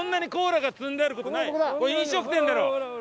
これ飲食店だろ。